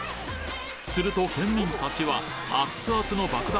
すると県民たちはアッツアツの爆弾